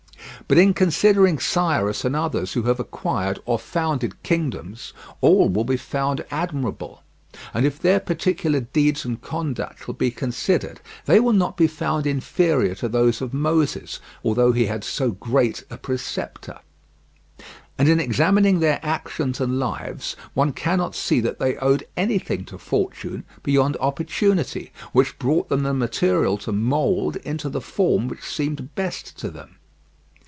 But in considering Cyrus and others who have acquired or founded kingdoms, all will be found admirable; and if their particular deeds and conduct shall be considered, they will not be found inferior to those of Moses, although he had so great a preceptor. And in examining their actions and lives one cannot see that they owed anything to fortune beyond opportunity, which brought them the material to mould into the form which seemed best to them.